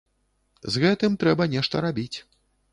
З гэтым трэба нешта рабіць.